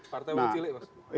partai wun cili